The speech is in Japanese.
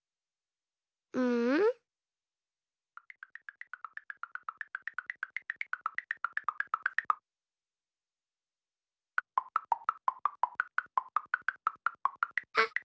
うん？あっ。